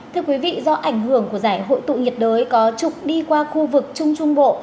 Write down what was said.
thưa quý vị do ảnh hưởng của giải hội tụ nhiệt đới có trục đi qua khu vực trung trung bộ